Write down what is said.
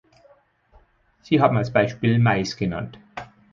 Sie haben als Beispiel Mais genannt.